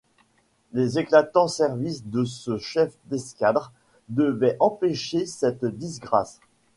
Les éclatans services de ce chef d'escadre devaient empêcher cette disgrâce.